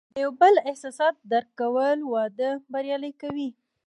د یو بل احساسات درک کول، واده بریالی کوي.